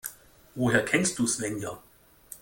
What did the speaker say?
Woher kennst du Svenja?